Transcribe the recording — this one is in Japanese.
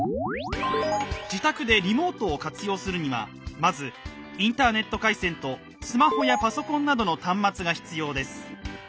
自宅でリモートを活用するにはまずインターネット回線とスマホやパソコンなどの端末が必要です。